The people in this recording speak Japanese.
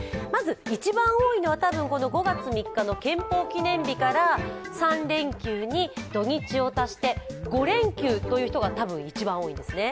一番多いのは５月３日の憲法記念日から３連休に土日を足して５連休という人が、たぶん一番多いんですね。